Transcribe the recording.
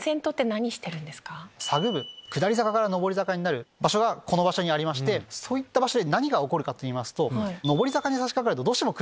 下り坂から上り坂になる場所がこの場所にありましてそういった場所で何が起こるかといいますと。